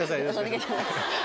お願いします。